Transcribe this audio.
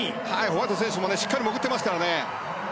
ホワイト選手もしっかり潜ってますからね。